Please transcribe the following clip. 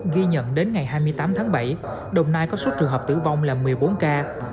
ghi nhận đến ngày hai mươi tám tháng bảy đồng nai có số trường hợp tử vong là một mươi bốn ca